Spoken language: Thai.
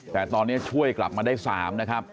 แต่ตอนนี้ช่วยกลับมาได้๓นะครับ